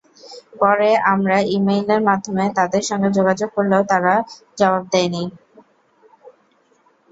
পরে আমরা ই-মেইলের মাধ্যমে তাদের সঙ্গে যোগাযোগ করলেও তারা জবাব দেয়নি।